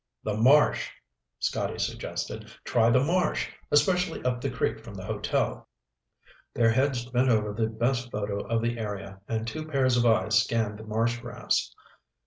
"The marsh," Scotty suggested. "Try the marsh, especially up the creek from the hotel." Their heads bent over the best photo of the area and two pairs of eyes scanned the marsh grass.